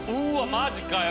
マジかよ